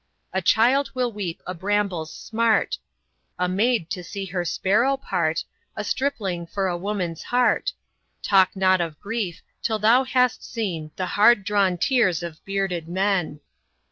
"A child will weep a bramble's smart, A maid to see her sparrow part, A stripling for a woman's heart; Talk not of grief, till thou hast seen The hard drawn tears of bearded men."